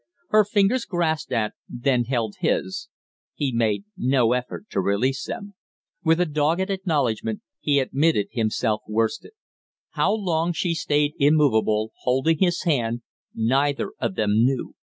Her fingers grasped at, then held his. He made no effort to release them. With a dogged acknowledgment, he admitted himself worsted. How long she stayed immovable, holding his hand, neither of them knew.